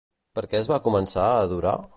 Per què es va començar a adorar?